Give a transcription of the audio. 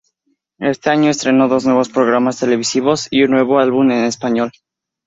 Este año estrenó dos nuevos programas televisivos y un nuevo álbum en español.